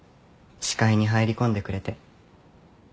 視界に入り込んでくれて。